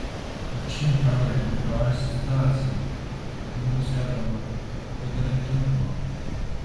Līdz šim Karlīne ir gājusi uz dārziņu, bet nu būs jādomā, ko darīt turpmāk.